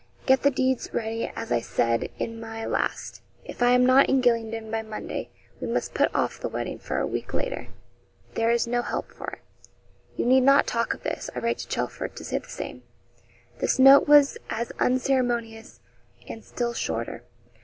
Get the deeds ready, as I said in my last. If I am not in Gylingden by Monday, we must put off the wedding for a week later there is no help for it. You need not talk of this. I write to Chelford to say the same.' This note was as unceremonious, and still shorter.